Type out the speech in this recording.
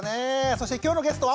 そして今日のゲストは！